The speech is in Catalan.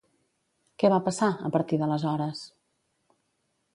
Què va passar, a partir d'aleshores?